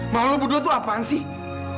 mau lo bodoh tuh apaan sih